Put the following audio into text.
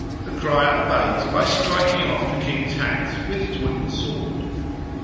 The crier obeys by striking off the King's hats with the wooden sword.